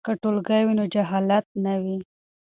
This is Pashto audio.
که ټولګی وي نو جهالت نه وي.